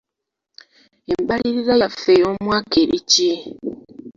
Embalirira yaffe ey'omwaka eri ki?